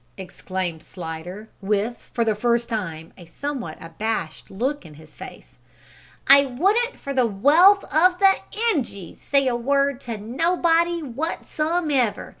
exclaimed Slidder, with, for the first time, a somewhat abashed look in his face; "I wouldn't for the wealth of the Injies say a word to nobody wotsomever.